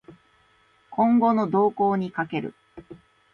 今後の動向に賭ける